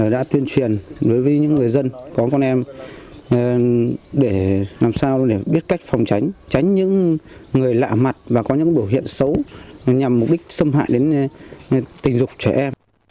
để làm sao để biết cách phòng tránh tránh những người lạ mặt và có những biểu hiện xấu nhằm mục đích xâm hại đến tình dục trẻ em